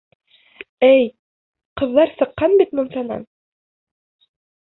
Эй, ҡыҙҙар сыҡҡан бит мунсанан!